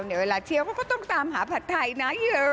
เวลาเทียบก็ต้องตามหาผัดไทยนะ